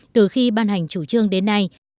từ khi ban hành chủ trương đến nay